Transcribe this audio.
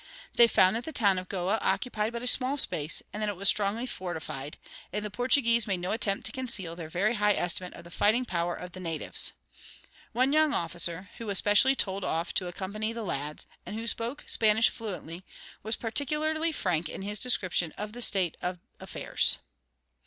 They found that the town of Goa occupied but a small space, and that it was strongly fortified, and the Portuguese made no attempt to conceal their very high estimate of the fighting power of the natives. One young officer, who was specially told off to accompany the lads, and who spoke Spanish fluently, was particularly frank in his description of the state of affairs.